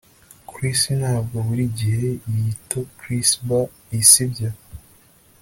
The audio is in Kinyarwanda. Chris ntabwo buri gihe yitochrisba sibyo